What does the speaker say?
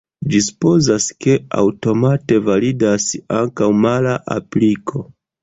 Ĝi supozas, ke aŭtomate validas ankaŭ mala apliko.